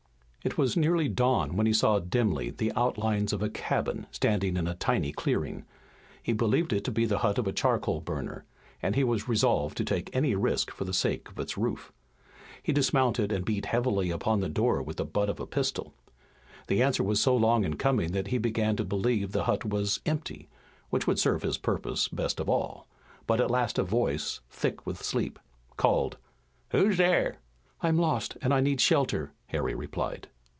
It was nearly dawn when he saw dimly the outlines of a cabin standing in a tiny clearing. He believed it to be the hut of a charcoal burner, and he was resolved to take any risk for the sake of its roof. He dismounted and beat heavily upon the door with the butt of a pistol. The answer was so long in coming that he began to believe the hut was empty, which would serve his purpose best of all, but at last a voice, thick with sleep, called: "Who's there?" "I'm lost and I need shelter," Harry replied.